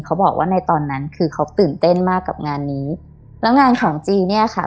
เขาบอกว่าในตอนนั้นคือเขาตื่นเต้นมากกับงานนี้แล้วงานของจีนเนี่ยค่ะ